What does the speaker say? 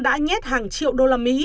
đã nhét hàng triệu đô la mỹ